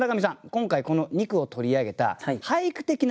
今回この２句を取り上げた俳句的な理由